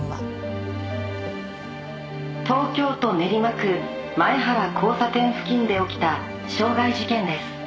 「東京都練馬区前原交差点付近で起きた傷害事件です」